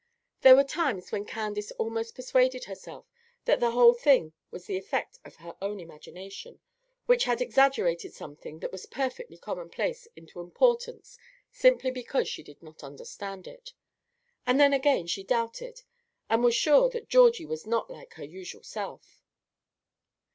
There were times when Candace almost persuaded herself that the whole thing was the effect of her own imagination, which had exaggerated something that was perfectly commonplace into importance simply because she did not understand it; and then again she doubted, and was sure that Georgie was not like her usual self.